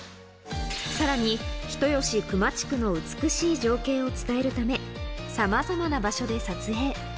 さらに人吉球磨地区の美しい情景を伝えるため、さまざまな場所で撮影。